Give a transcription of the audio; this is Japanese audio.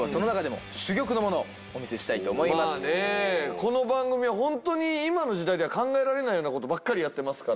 この番組ホントに今の時代では考えられないようなことばっかりやってますから。